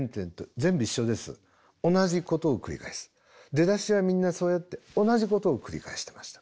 出だしはみんなそうやって同じことを繰り返してました。